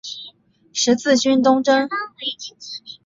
十字军东征。